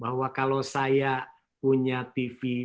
bahwa kalau saya punya tv